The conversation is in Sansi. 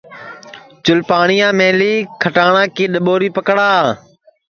چُل پاٹؔیا میلی کھٹاٹؔا کی ڈؔٻوری پکڑا